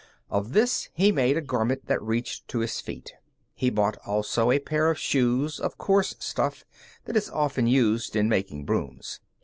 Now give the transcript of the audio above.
Of this he made a garment that reached to his feet. He bought, also, a pair of shoes of coarse stuff that is often used in making brooms.